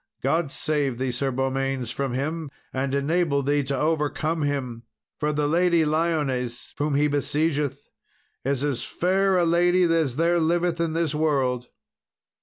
God save thee, Sir Beaumains, from him! and enable thee to overcome him, for the Lady Lyones, whom he besiegeth, is as fair a lady as there liveth in this world."